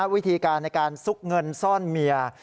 วิธีการในการซุกเงินซ่อนเมีย